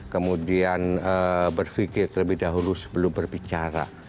kemudian berpikir terlebih dahulu sebelum berbicara